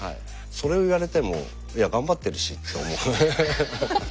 それを言われてもいや頑張ってるしって思う。